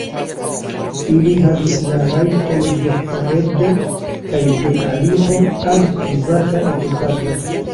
Ili havis la rajton de heredo kaj de aliro al privata edukado!